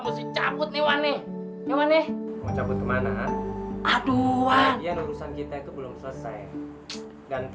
mesti cabut nih wane wane mau cabut kemana aduan yang urusan kita itu belum selesai dan